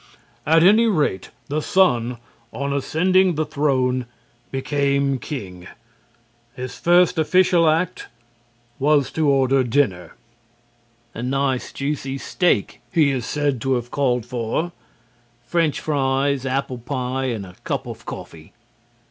At any rate, the son, on ascending the throne, became king. His first official act was to order dinner. "A nice, juicy steak," he is said to have called for, "French fries, apple pie and a cup of coffee."